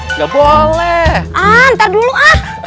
nggak boleh antar dulu ah